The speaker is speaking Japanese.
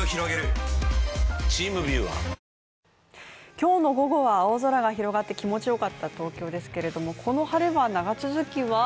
今日の午後は青空が広がって気持ちよかった東京ですけどもこの晴れは長続きは？